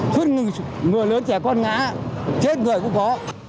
suốt người lớn trẻ con ngã chết người cũng có